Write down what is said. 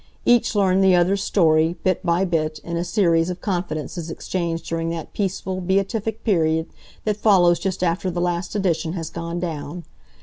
Each learned the other's story, bit by bit, in a series of confidences exchanged during that peaceful, beatific period that follows just after the last edition has gone down.